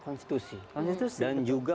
konstitusi dan juga